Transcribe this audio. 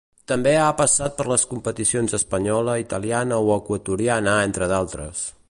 També ha passat per les competicions espanyola, italiana o equatoriana, entre d'altres.